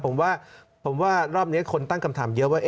ผมว่าผมว่ารอบนี้คนตั้งคำถามเยอะว่า